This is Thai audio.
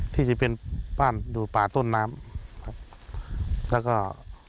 ที่จะเป็นบ้านดูดปลาต้นน้ำครับ